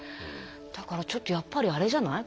だからちょっとやっぱりアレじゃない？